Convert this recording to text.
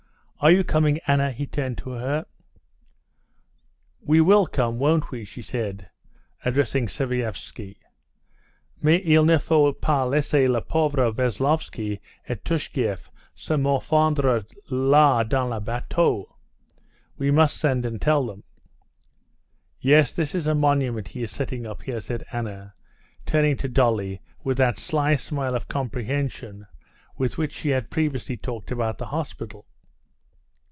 "Are you coming, Anna?" he turned to her. "We will come, won't we?" she said, addressing Sviazhsky. "Mais il ne faut pas laisser le pauvre Veslovsky et Tushkevitch se morfondre là dans le bateau. We must send and tell them." "Yes, this is a monument he is setting up here," said Anna, turning to Dolly with that sly smile of comprehension with which she had previously talked about the hospital.